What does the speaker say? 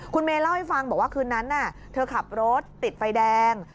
คุณเมย์เล่าให้ฟังบอกว่าคืนนั้นเธอขับรถติดไฟแดง